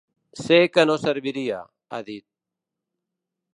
Sé que no serviria, ha dit.